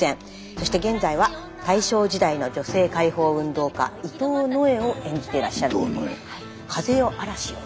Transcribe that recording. そして現在は大正時代の女性解放運動家伊藤野枝を演じていらっしゃる「風よあらしよ」。